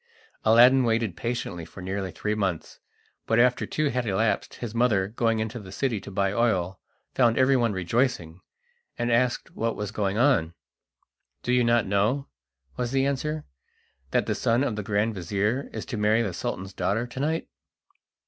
Aladdin waited patiently for nearly three months, but after two had elapsed his mother, going into the city to buy oil, found everyone rejoicing, and asked what was going on. "Do you not know," was the answer, "that the son of the grand vizir is to marry the Sultan's daughter to night?"